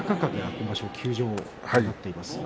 今場所休場となっています。